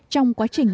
trong quá trình